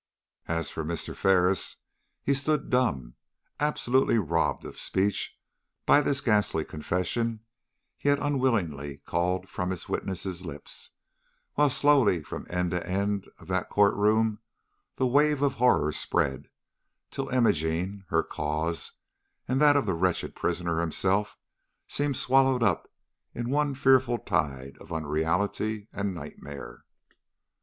As for Mr. Ferris, he stood dumb, absolutely robbed of speech by this ghastly confession he had unwillingly called from his witness' lips; while slowly from end to end of that court room the wave of horror spread, till Imogene, her cause, and that of the wretched prisoner himself, seemed swallowed up in one fearful tide of unreality and nightmare.